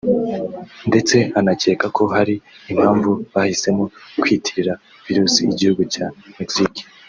ndetse anakeka ko hari impamvu bahisemo kwitirira virus igihugu cya Mexique